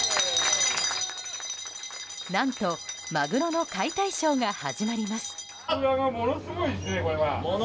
何と、マグロの解体ショーが始まります。